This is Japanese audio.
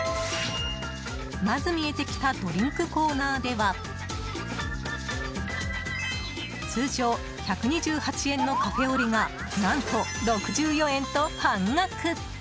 まず見えてきたドリンクコーナーでは通常１２８円のカフェオレが何と６４円と半額。